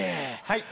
はい。